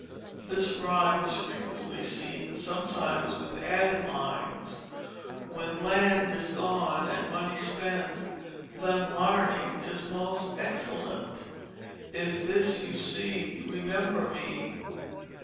This rhyme is frequently seen, sometimes with the added lines: "When Land is Gone and Money Spent Then Larning is most excellent. If this you See Remember Me."